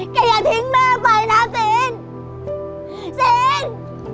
แกอย่าทิ้งแม่ไปนะจีน